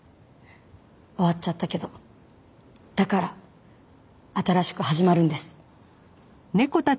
終わっちゃったけどだから新しく始まるんです。